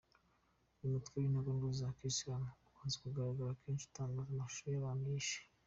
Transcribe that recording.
Uyu mutwe w’intagondwa za kiyisilamu ukunze kugaragara kenshi utangaza amashusho y’abantu wishe.